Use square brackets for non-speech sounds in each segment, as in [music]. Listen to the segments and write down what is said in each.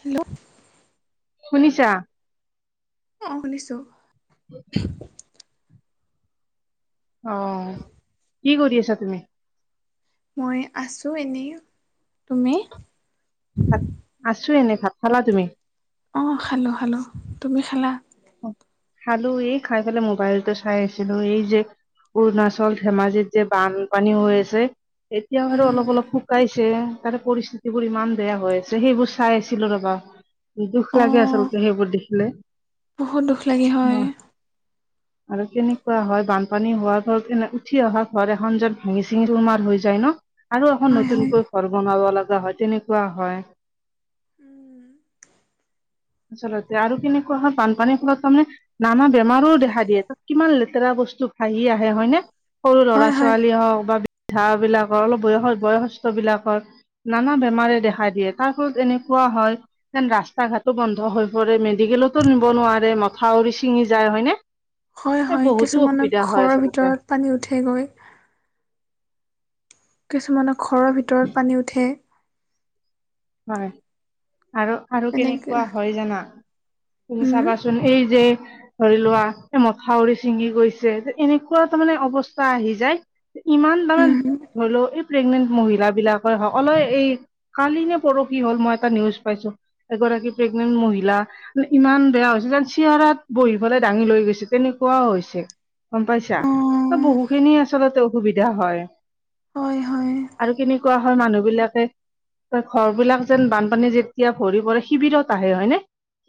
Hello? শুনিছা? অ'! শুনিছোঁ। অ'! কি কৰি আছা তুমি? মই আছোঁ এনেই। তুমি? আছোঁ এনেই, ভাত খালা তুমি? অ'! খালোঁ, খালোঁ। তুমি খালা? খালোঁ এই, খাই পেলে মোবাইলতো চাই আছিলোঁ। এই যে, অৰুণাচল, ধেমাজিত যে বানপানী হৈ আছে। এতিয়াও হনোঁ, উম অলপ-অলপ শুকাইছে। তাৰে, পৰিস্থিতিবোৰ ইমান বেয়া হৈ আছে! সেইবোৰ চাই আছিলোঁ, ৰ'বা। দুখ অ লাগে আচলতে! সেইবোৰ দেখিলে। বহুত দুখ লাগে! হয়! [inaudible] আৰু কেনেকুৱা হয়, বানপানী হোৱাৰ ঘৰত এনে, উঠি অহাৰ ঘৰ এখন য'ত, ভাঙি- চিঙি চোৰমাৰ হৈ যায়, ন'! আৰু এখন হয় হয় নতুনকৈ, ঘৰ বনাব লগা হয়, তেনেকুৱা হয়। আচলতে, আৰু কেনেকুৱা হয়, বানপানীৰ ফলত তাৰমানে, নানা বেমাৰো দেখা দিয়ে। তাত, কিমান লেতেৰা বস্তু ভাহি আহে, হয়নে? সৰু হয় হয় ল'ৰা-ছোৱালী হওঁক বা বৃদ্ধা বিলাকৰ, অলপ বয়স, বয়সস্থ বিলাকৰ নানা বেমাৰে দেখা দিয়ে। তাৰ ফলত এনেকুৱা হয়, যেন, ৰাস্তা-ঘাট বন্ধ হৈ পৰে। মেডিকেলতো নিব নোৱাৰে, মথাউৰি ছিঙি যায়। হয়নে? হয়, এ হয়। বহুতো কিছুমান, অসুবিধা হয় ঘৰৰ আচলতে ভিতৰত পানী উঠেগৈ। কিছুমানৰ, ঘৰৰ ভিতৰত পানী উঠে। হয়! আৰু, আৰু এনেকে কেনেকুৱা হয়, জানা? তুমি উম চাবাচোন? এই [unintelligible] ধৰি লোৱা, এ, মথাউৰি ছিঙি গৈছে। এনেকুৱা তাৰমানে, অৱস্থা আহি যায়। ইমান উম তাৰমানে, হুম ধৰি লওঁ, এই প্ৰেগনেন্ট মহিলা বিলাকেও হওঁক, [unintelligible] এই, কালি নে কৰোঁ কি হ'ল? মই এটা নিউজ পাইছোঁ, এগৰাকী প্ৰেগনেন্ট মহিলা। ইমান বেয়া হৈছে যে, চেয়াৰত বহি পেলাই, দাঙি লৈ গৈছে, তেনেকুৱাও হৈছে। গম পাইছা! অ বহু খিনি আচলতে, অসুবিধা হয়। হয়, হয়। আৰু কেনেকুৱা হয়, মানুহ বিলাকে ঘৰ বিলাক যেন, বানপানী যেতিয়া ভৰি পৰে, শিবিৰত আহে, হয়নে?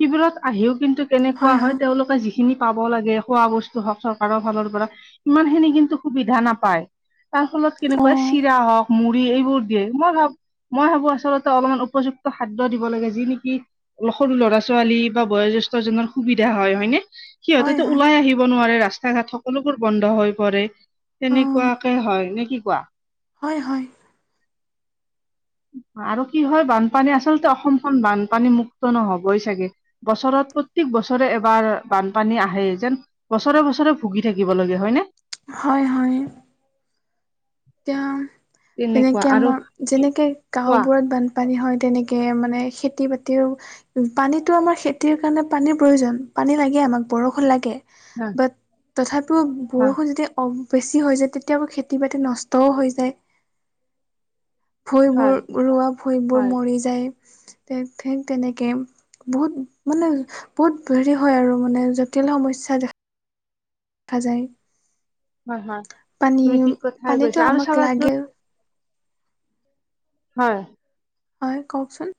শিবিৰত আহিও কিন্তু, কেনেকুৱা হয়, তেওঁলোকে যি খিনি পাব লাগে, খোৱা বস্তু হওঁক, চৰকাৰৰ ফালৰ পৰা। ইমান খিনি কিন্তু, সুবিধা নাপায়। তাৰফলত অ কেনেকুৱা, চিৰা হওঁক, মুড়ি এইবোৰ দিয়ে, মই ভাবোঁ! মই ভাবোঁ আছ [unintelligible] উপযুক্ত খাদ্য দিব লাগে। যি নেকি অলপ সৰু ল'ৰা-ছোৱালী বা বয়জ্যেষ্ঠজনৰ সুবিধা হয়, হয়নে? হয় সিহঁতেতো হয় ওলাই আহিব নোৱাৰে। ৰাস্তা-ঘাট সকলোবোৰ বন্ধ হৈ পৰে। অ তেনেকুৱাকে হয়, নে কি কোৱা? হয়, হয়। আৰু কি হয়, বানপানী আচলতে, অসমখন বানপানী মুক্ত নহ'বই চাগে। বছৰত, প্ৰত্যেক বছৰে এবাৰ, বানপানী আহে যেন। বছৰে-বছৰে, ভুগি থাকিব লাগে, হয় নে? হয়, হয়। এতিয়া, তেনেকুৱা তেনেকে আৰু আমাৰ, কি যেনেকে কোৱা গাঁওবোৰত বান পানী হয়, তেনেকে মানে, খেতি-বাতিও পানীতো আমাৰ, খেতিৰ কাৰণে, পানীৰ প্ৰয়োজন, পানী লাগে আমাক, বৰষুণ লাগে। অ'! বাট তথাপিও, বৰষুণ যেতিয়া, অ'! বেছি হৈ যায়, তেতিয়া, খেতি-বাতি নষ্টও হৈ যায়। হয় ভুইবোৰ ৰোৱা ভুইবোৰ হয় মৰি যায়, ঠী ঠিক তেনেকে বহুত মানে, বহুত হেৰি হয় আৰু মানে জটিল সমস্যা দেখা খা যায়। হয় হয়, পানী তুমি ঠিক কথাই পানীতো কৈছা আৰু আমাক চাবাচোন লাগে হয়। হয় কওকচোন?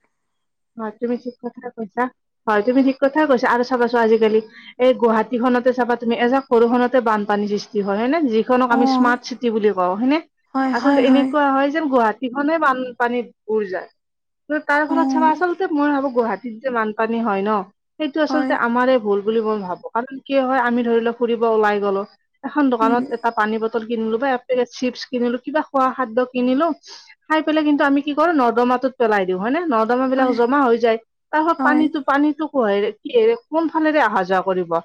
হয় তুমি ঠিক কথাই কৈছা, হয় তুমি ঠিক কথাই কৈছা আৰু চাবাচোন আজিকালি এই গুৱাহাটীখনতে চাবা তুমি এজাক বৰষুণতে বানপানী সৃষ্টি হয় হয়নে, যি খনক অ আমি স্মাৰ্ট চিটি বুলি কওঁ হয়নে, হয় আচলতে হয় এনেকুৱা হয় যেন গুৱাহাট সিখনে বানপানীত ভুৰ যায়, তাৰফলত উম চাবা আচলতে মই ভাবোঁ গুৱাহাটীত যে বানপানী হয় ন' সেইটো হয় আচলতে আমাৰে ভুল। বুলি মই ভাবোঁ কাৰণ কিয় হয় আমি ধৰি ল' ফুৰিব ওলাই গলো, এখন উম দোকানত এটা পানী বটল কিনিলো বা এ, পেকেট চিপছ কিনিলো কিবা খোৱা খাদ্য কিনিলো খাই পেলাই কিন্তু আমি কি কৰোঁ নৰ্দমাটোত পেলাই দিওঁ হয় নে? নৰ্দ নৰ্দমাবিলাক হয় জমা হৈ যায়, তাৰফলত হয় পানীটো পানীটো কুহেৰে, কিহে কোন ফালেৰে আহা যোৱা কৰিব,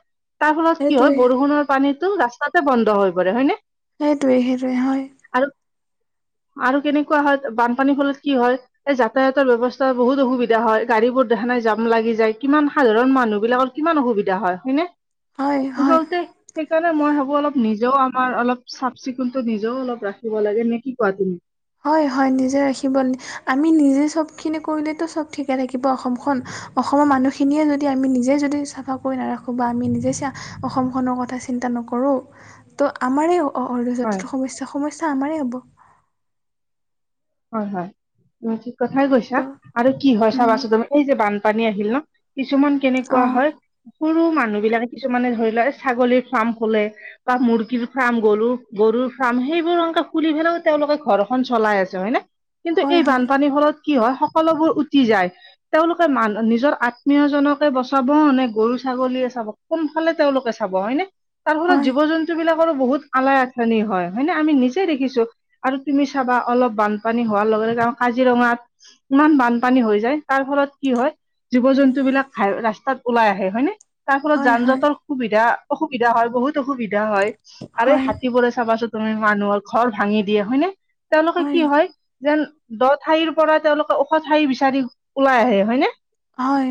তাৰফলত কি হয় সেইটোৱে বৰষুণত পানীটো ৰাস্তাতে বন্ধ হৈ পৰে হয়নে? সেইটোৱে সেইটোৱে হয়। আৰু আৰু কেনেকুৱা হয় বানপানীৰ ফলত কি হয়, এই যাতায়াতৰ ব্যৱস্থ তৰ বহুত অসুবিধা হয়, গাড়ীবোৰ দেখা নাই জাম লাগি যায়, কিমান সাধাৰণ মানুহবিলাকৰ কিমান অসুবিধা হয়, হয়নে? হয় হয় যাওঁতে সেইকাৰণে মই ভাবোঁ অলপ নিজেও আমাৰ অলপ চাফ চিকুণতো, নিজেও অলপ ৰাখিব লাগে নে কি কোৱা তুমি? হয় হয় নিজে ৰাখিব, আমি নিজে চবখিনি কৰিলেতো চব ঠিকে থাকিব অসমখন। অসমৰ মানুহখিনিয়ে যদি আমি নিজে যদি চাফা কৰি নাৰাখোঁ বা আমি নিজে চা অসমখনৰ কথা চিন্তা নকৰোঁ, ত' আমাৰ এই অ' অ' অ'ৰয'ত হয় যিটো সমস্যা সমস্যা আমাৰে হ'ব। হয় হয়, তুমি ঠিক কথাই কৈছা, ত' আৰু কি হয় চাবাচোন তুমি এই যে বান পানী আহিল ন' কিছুমান কেনেকুৱা অঁ হয় সৰু মানুহবিলাকে কিছুমানে ধৰি লোৱা ছাগলীৰ ফাৰ্ম খোলে। বা মুৰ্গীৰ ফাৰ্ম, গৰু গৰুৰ ফাৰ্ম, সেইবোৰ সংকা খুলি পেলাইও তেওঁলোকে ঘৰখন চলাই আছ ছে হয়নে, কিন্তু হয় এই হয় বানপানীৰ ফলত কি হয় সকলোবোৰ উটি যায়। তেওঁলোকে মান নিজৰ আত্মীয়জনকে বচাব নে গৰু ছাগলীয়ে চাব কোনফালে তেওঁলোকে চাব হয়নে, তাৰফলত হয় জীৱ জন তোবিলাকৰো বহুত আলাই আথনি হয় হয়নে? আমি নিজে দেখিছোঁ, আৰু তুমি চাবা অলপ বানপানী হোৱাৰ লগে লগে আৰু কাজিৰঙাত ইমান বানপানী হৈ যায় তাৰফলত কি হয় জীৱ জন্তুবিলাক ৰাস্তাত ওলাই আহে হয়নে? তাৰফলত হয় যান হয় জতৰ সুবিধা, অসুবিধা হয়, বহুত অসুবিধা হয় আৰু হয় হাতীবোৰে চাবাচোন তুমি, মানুহৰ ঘৰ ভাঙি দিয়ে হয়নে? তেওঁলোক উ। যেন দ' ঠাইৰপৰা তেওঁলোকে ওখ ঠাই বিচাৰি ওলাই আহে হয়নে? হয়।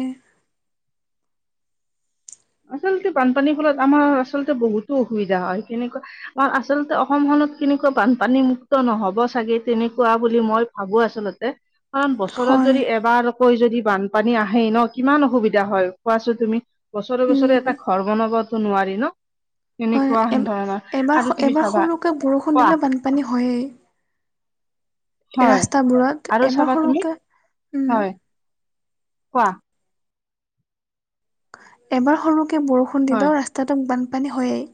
আচলতে বানপানীৰ ফলত আমাৰ আচলতে বহুতো অসুবিধা হয় এনেকুৱা আ, আচলতে অসমখনত কেনেকুৱা বানপানী মুক্ত নহ'ব চাগে তেনেকুৱা বুলি মই ভাবোঁ আচলতে। ইমান বছৰত হয় যদি এবাৰকৈ যদি বানপানী আহেই ন' কিমান অসুবিধা হয় কোৱাচো তুমি? বছৰে বছৰে উম এটা ঘৰ বনাবতো নোৱাৰি ন'। হয় সেনেকুৱা এ হেন ধৰণৰ এবাৰ আৰু তুমি এবাৰ চাবা, সৰুকে বৰষুণ দিলে কোৱা? বানপানী হয়েই হয় ৰাস্তাবোৰত আৰু এবাৰ চাবা তুমি, সৰুকে উম হয়। কোৱা? এবাৰ সৰুকে বৰষুণ হয় দিলেও ৰাছ তাত ত' বানপানী হয়েই,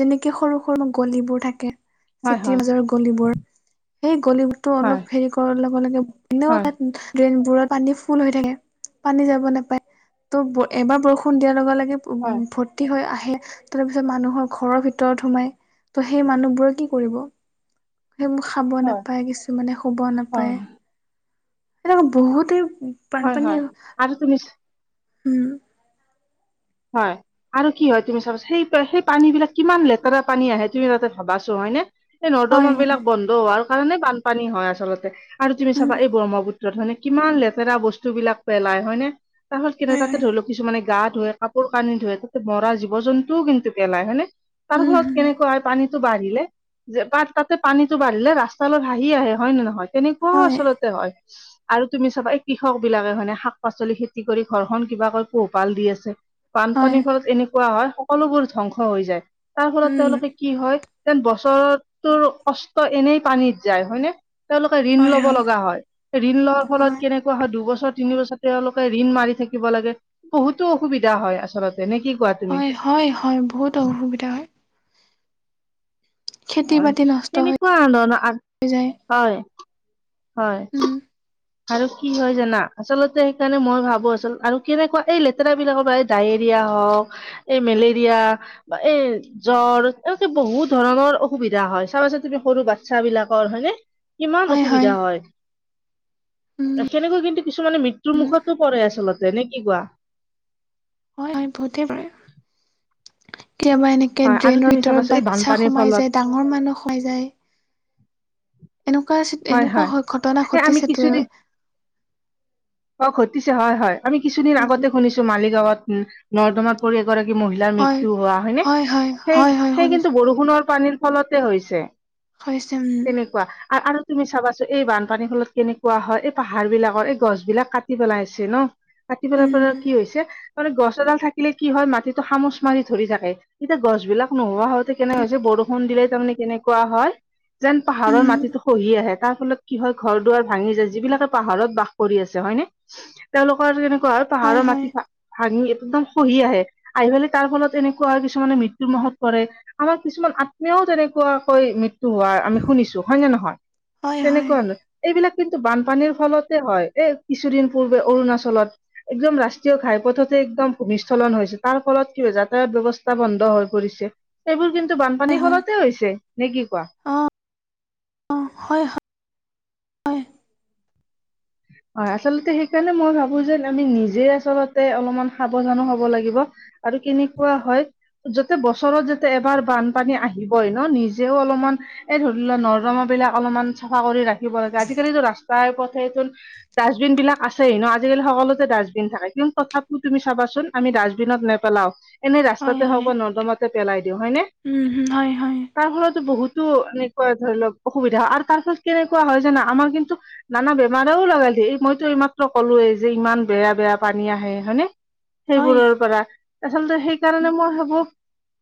যেনেকে সৰু সৰু গলিবোৰ থাকে হয় চিটিৰ হয় মাজৰ গলিবোৰ, সেই গলিবোৰতো হয় অলপ হেৰি কৰাই লগে লগে এনেও হয় তাত ড্ৰেইনবোৰত পানী ফুল হৈ থাকে, পানী যাব নাপায় ত' এবাৰ বৰষুণ দিয়াৰ লগে হয় লগে ভৰ্তি হৈ আহে, তাৰপিছত মানুহৰ ঘৰৰ ভিতৰত সোমাই। ত' সেই মানুহবোৰে কি কৰিব, সেইবোৰ খাব হয় নাপায়, কিছুমানে শুব হয় নাপায়। তাত আকৌ বহুতেও হয় হয়, আৰু তুমি উম। হয়। আৰু কি হয় তুমি চাবাচোন সেই পানীবিলাক কিমান লেতেৰা পানী আহে তুমি তাকে ভাবাচুন হয়নে? এই হয় নৰ্দমাবিলাক বন্ধ হোৱাৰ কাৰণে বানপানী হয় আচলতে আৰু তুমি উম চাবা এই ব্ৰহ্মপুত্ৰ ৰত হয়নে, কিমান লেতেৰা বস্তুবিলাক পেলাই হয়নে, তাৰপছত কিনে হয় তাতে হয় ধৰি লওক কিছুমানে গা ধুৱে কাপোৰ কানি ধোৱে, তাতে মৰা জীৱ জন্তুও কিন্তু পেলায় হয়নে? তাৰ উম ফলত কেনেকুৱা হয় পানীটো বাঢ়িলে যে তাত তাতে পানীতটো বাঢ়িলে ৰাস্তালে বাঁহি আহে হয় নে নহয়, তেনেকুৱাও হয় আচলতে হয়। আৰু তুমি চাবা এই কৃষকবিলাকে হয়নে শাক পাচলি খেতি কৰি ঘৰখন কিবাকৈ পোহপাল দি আছে। হয় বানপানীৰ ফলত এনেকুৱা হয় সকলোবোৰ ধ্বংস হৈ যায়, তাৰ ফলত উম তেওঁলোকে কি হয়, যেন বছৰটোৰ কষ্ট এনেই পানীত যায় হয়নে? তেওঁলোকে ঋণ লব লগা হয়, ঋণ লোৱাৰ ফলত হয় কেনেক কোৱা হয়, দুবছৰ তিনি বছৰ তেওঁলোকে ৰিণ মাৰি থাকিব লাগে, বহুতো অসুবিধা দিয়া হয় আচলতে, নে কি কোৱা তুমি? হয় হয় হয়, বহুত অসুবিধা হয়। খেতি হয়, বাতি নষ্ট হৈ তেনেকুৱা ধৰণৰ, যায় হয় উম হয়। আৰু কি হয় জানা, আচলতে সেইকাৰণে মই ভাবোঁ আচল আৰু কেনেকুৱা এই লেতেৰাবিলাকৰ পৰাই ডায়েৰিয়া হওক, এই মেলেৰিয়া বা এই জ্বৰ এনেকে বহুত ধৰণৰ অসুবিধা হয়, চাবাচোন তুমি সৰু বাচ্ছাবিলাকৰ হয়নে? কিমান অসুবিধা হয়। উম সেনেকুৱা কিন্তু কিছুমানে মৃত্যুৰ উম মুখতো পৰে আচলতে নে কি কোৱা? হয় হয় বহুতেই পৰে। কেতিয়াবা এনে গেট হয় আৰু ড্ৰেইনৰ তুমি ভিতৰত চাবাচোন এই বাচ্ছা বানপানীৰ সোমাই ফলত যায়, ডাঙৰ মানুহ সোমাই যায়। এনেকুৱা চি, হয় এনেকুৱা হয় হৈ ঘটনা এ আমি ঘটিছে কিছুদিন প্ৰাই। অ' ঘটিছে হয় হয়, আমি কিছুদিন উম আগতে শুনিছোঁ মালিগাঁৱত নৰ্দমাত পৰি এগৰাকী মহিলাৰ হয় মৃত্যু হোৱা, হয় নে, হয় সেই হয় হয় সেই কিন্তু শুনিছো বৰষুণৰ পানীৰ ফলতে হৈছে, হৈছে উম তেনেকুৱা আৰু আৰু তুমি চাবাচো, এই বানপানীৰ ফলত কেনেকুৱা হয়, এইপাহাৰ বিলাকৰ এই গছ বিলাক কাটি পেলাইছে ন'। কাটি উম পেলাৰপৰা কি হৈছে, মানে গছ এডাল থাকিলে কি হয় মাটিটো সামুচ মাৰি ধৰি থাকে। এতিয়া গছবিলাক নোহোৱা হওতে কেনেকুৱ হৈছে, বৰষুণ দিলে তাৰমানে কেনেকুৱা হয় যেন পাহাৰৰ উম মাটিটো খহি আহে তাৰ ফলত কি হয় ঘৰ দুৱাৰ ভাঙি যায়, যিবিলাকে পাহাৰত বাস কৰি আছে হয়নে? তেওঁলোকৰ কেনেকুৱা হয় পাহাৰৰ মাটি খা ভাঙি একদম খহি আহে, আহি পেলাই তাৰ ফলত এনেকুৱা আৰু কিছুমানে মৃত্যুৰ মুখত পৰে। আমাৰ কিছুমান আত্মীয়ও তেনেকুৱাকৈ মৃত্যু হোৱাৰ আমি শুনিছোঁ হয় নে নহয়? হয় হয় তেনেকুৱা এইবিলাক কিন্তু বানপানীৰ ফলতে হয়। এ, কিছুদিন পূৰ্বে অৰুণাচলত একদম ৰাষ্ট্ৰীয় ঘাইপথতে একদম ভূমিস্খলন হৈছে, তাৰ ফলত কি হয় যাতায়াত ব্যৱস্থা বন্ধ হৈ পৰিছে। এইবোৰ কিন্তু হয় বানপানীৰ হয় ফলতে হৈছে নে কি কোৱা? অ অ' হয় হয়। হয়, আচলতে সেইকাৰণে মই ভাবোঁ যে আমি নিজে আচলতে অলপমান সাৱধানো হ'ব লাগিব। আৰু কেনেকুৱা হয় যাতে বছৰত যাতে এবাৰ বানপানী আহিবই ন' নিজেও অলপমান এই, ধৰি লোৱা নৰ্দমাবিলাক অলপমান চাফা কৰি ৰাখিব লাগে, আজিকালিতো ৰাস্তাই পথেতো ডাষ্টবিনবিলাক আছেই ন' আজিকালি সকলোতে ডাষ্টবিন থাকে কিন্তু তথাপিও তুমি চাবাচোন আমি ডাষ্টবিনত নেপেলাওঁ। এনেই হয় ৰাস্তাতে হওঁক হয় বা নৰ্দমাতে পেলাই দিওঁ হয়নে? উম হম হয় হয় তাৰফলত বহুত বহুতো এনেকুৱা ধৰি লওঁক অসুবিধা হয় আৰু তাৰ ফলত কেনেকুৱা হয় জানা আমাৰ কিন্তু নানা বে মাদাও লগাল দিয়ে, মইতো এইমাত্ৰ কলোৱেই যে ইমান বেয়া-বেয়া পানী আহে হয়নে? হয় সেইবোৰৰ পৰা, আচলতে সেইকাৰণে মই ভাবোঁ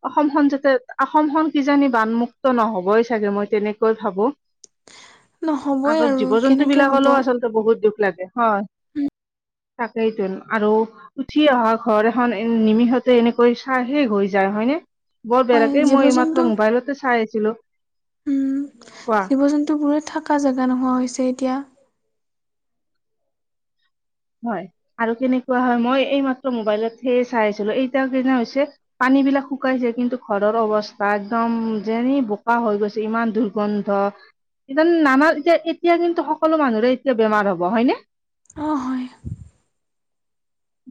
অসমখন যাতে, অসমখন কিজানি বানমুক্ত নহবই চাগে মই তেনেকৈ ভাবোঁ। নহবই আৰু জন্তু কেনেকে হ'ব। বিলাকলেও বহুত দুখ লাগে হয়। [unintelligible] তাকেইতো আৰু উঠি অহা ঘৰ এখন নিমিষতে এনেকৈ চাই শেষ হৈ যায় হয়নে? বৰ বেয়া হয় লাগে, জীৱ মই এইমাত্ৰ মোবাইলতে চাই আছিলোঁ। জীৱ-জন্তুবোৰৰ থকা জেগা নোহোৱা হৈছে এতিয়া। হয় আৰু কেনেকুৱা হয় মই এইমাত্ৰ মোবাইলতহে চাই আছিলোঁ। এইটাৰ কিনে হৈছে। পানীবিলাক শুকাইছে কিন্তু ঘৰৰ অৱস্থা একদম যেনে বোকা হৈ গৈছে, ইমান দূ দূৰ্গন্ধ ইতান, নানা এতিয়া-এতিয়া কিন্তু সকলো মানুহৰে এতিয়া বেমাৰ হ'ব হয়নে? অহ, হয়।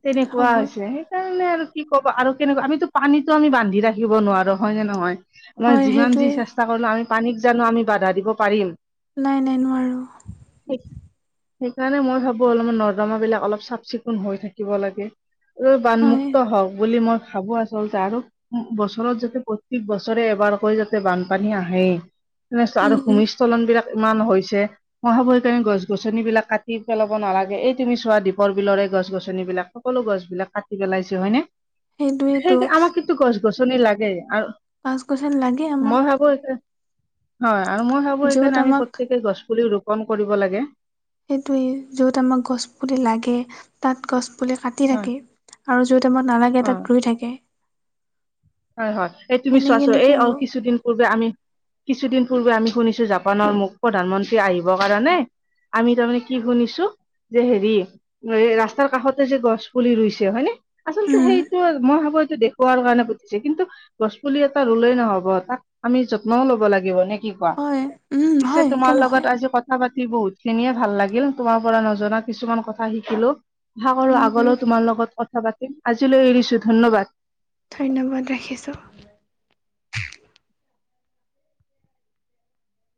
তেনেকুৱা হ'বই হৈছে। তাৰ মানে আৰু কি কবা আৰু কেনেকুৱা, আমিতো পানীতো আমি বান্ধি ৰাখিব নোৱাৰো হয়নে নহয়। মানে হয় যিমান সেইটোৱে যি চেষ্টা কৰিলোঁ আমি পানীক জানোঁ আমি বাধা দিব পাৰিম। নাই-নাই নোৱাৰোঁ। সে-সেইকাৰণে মই ভাবোঁ অলপমান নলা-নৰ্দমাবিলাক অলপ চাফ-চিকুণ হৈ থাকিব লাগে। হয় বানমুক্ত হওঁক বুলি মই ভাবোঁ আচলতে। আচলতে আৰু বছৰত যাতে প্ৰত্যেক বছৰে এবাৰকৈ যাতে বানপানী আহেই। তেনে আৰু উম ভূমিস্খলনবিলাক ইমান হৈছে। মই ভাবোঁ গছ-গছনিবিলাক কাটি পেলাব নালাগে, এই তুমি চোৱা দ্বীপৰবিলৰে গছ-গছনি গছ-গছনি সকলো গছ-গছনিবিলাক কাটি পেলাইছে, হয়নে? সেইটোৱেতো সেই আমাক গছ-গছনি লাগে আৰু গছ-গছনি লাগে আমাক। খাব হৈছে। হয় আৰু মই ভাবোঁ য'ত সেইকাৰণে আমি আমাক প্ৰত্যেকে গছ পুলি ৰোপন কৰিব লাগে। সেইটোৱে য'ত আমাৰ গছপুলি লাগে তাত গছ গছ পুলি কাটি হয় থাকে আৰু আমাক নালাগে অ। তাত ৰুই থাকে। হয়, হয়। এই তুমি এনেকে চোৱাচোন এই এনেকে হ'ব কিছুদিন পূৰ্বে আমি কিছুদিন পূৰ্বে আমি শুনিছোঁ, জাপানৰ মু-প্ৰধানমন্ত্ৰী আহিবৰ কাৰণে আমি তাৰমানে কি শুনিছোঁ, যে হেৰি এই ৰাস্তাৰ কাষতে যে গছ পুলি ৰুইছে হয়নে? আচলতে উম, সেইটো মই ভাবোঁ, সেইটো দেখৱাৰ কাৰণে কিন্তু গছ পুলি এটা ৰুলেই নহ'ব তাক আমি যত্নও ল'ব লাগিব নে কি কোৱা। হয়, উম, পিছে হয়, তোমাৰ কিয় নহয়? লগত আজি কথা কথা পাতি বহুত খিনিয়ে ভাল লাগিল, তোমাৰ পৰা নজনা কিছুমান কথা শিকিলোঁ। আশা কৰোঁ উম, আগলৈ তোমাৰ লগত কথা পাতিম, আজিলৈ এৰিছোঁ ধন্যবাদ। ধন্যবাদ, ৰাখিছোঁ।